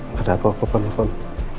gak ada apa apa papa nelfon